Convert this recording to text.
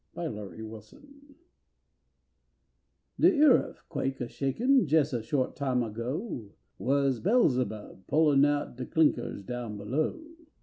DE EYARFQUAKE De eyarfquake a shakin Jes a short time ago Was Belzabub a pullin Out de clinkers down below.